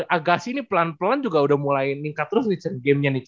agasi ini pelan pelan juga udah mulai ningkat terus nih gamenya nih